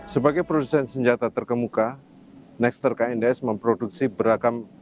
sebagai produsen senjata terkemuka nextr knds memproduksi beragam